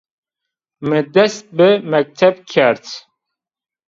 Mi dest bi mekteb kerd